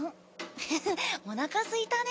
フフフおなかすいたね。